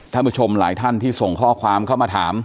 ท่านผู้ชมหลายท่านที่ส่งข้อความเข้ามาถาม